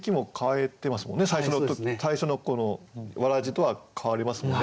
最初のわらじとは変わりますもんね。